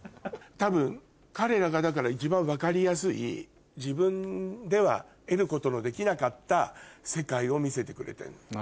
多分彼らが一番分かりやすい自分では得ることのできなかった世界を見せてくれてるのよ。